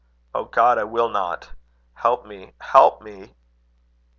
O God, I will not. Help me, help me!"